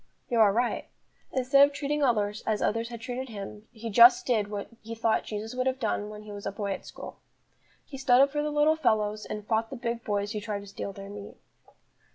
You are right; instead of treating others as others had treated him, he just did what he thought Jesus would have done when he was a boy at school. He stood up for the little fellows, and fought the big boys who tried to steal their meat.